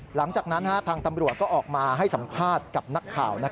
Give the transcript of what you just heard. หลังจากนั้นทางตำรวจก็ออกมาให้สัมภาษณ์กับนักข่าว